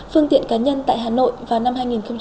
phương tiện cá nhân tại hà nội vào năm hai nghìn hai mươi